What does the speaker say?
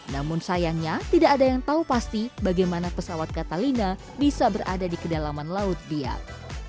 namun sayangnya tidak ada yang tahu pasti bagaimana pesawat catalina bisa berada di kedalaman laut biak